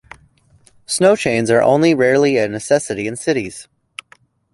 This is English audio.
Snow chains are only rarely a necessity in cities.